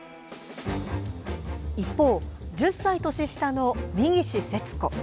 一方、１０歳年下の三岸節子。